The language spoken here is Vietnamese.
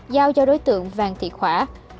giao cho đối tượng vàng thị khỏa